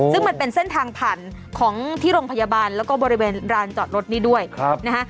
ซึ่งมันเป็นเส้นทางผ่านของที่โรงพยาบาลแล้วก็บริเวณร้านจอดรถนี้ด้วยนะฮะ